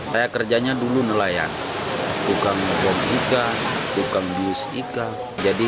saya kerjanya dulu nelayan bukan membuat ikan bukan membius ikan